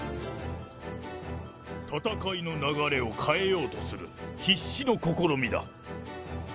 戦いの流れを変えようとする必死の試みだ。